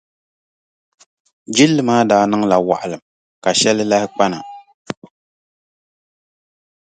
Jilli maa daa niŋla waɣilim ka shɛli lahi kpa na.